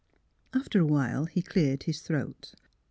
After a while he cleared his throat.